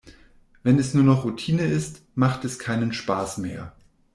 Wenn es nur noch Routine ist, macht es keinen Spaß mehr.